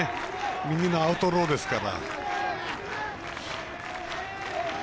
右のアウトローですから。